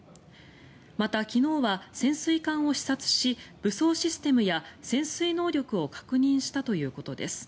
また昨日は潜水艦を視察し武装システムや潜水能力を確認したということです。